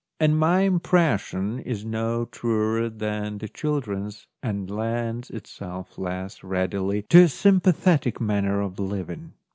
And my impression is no truer than the children's and lends itself less readily to a sympathetic manner of living.